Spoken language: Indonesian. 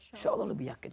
insya allah lebih yakin